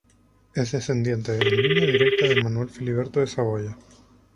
Es descendiente en línea directa de Manuel Filiberto de Saboya.